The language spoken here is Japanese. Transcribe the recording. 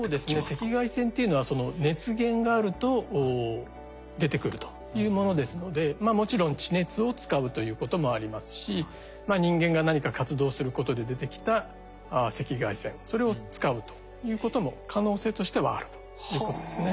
赤外線っていうのは熱源があると出てくるというものですのでもちろん地熱を使うということもありますし人間が何か活動することで出てきた赤外線それを使うということも可能性としてはあるということですね。